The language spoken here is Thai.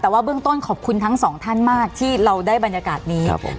แต่ว่าเบื้องต้นขอบคุณทั้งสองท่านมากที่เราได้บรรยากาศนี้